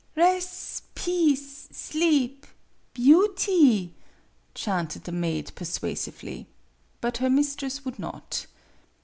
"" Res' peace sleep beauty," chanted the maid, persuasively. But her mistress would not.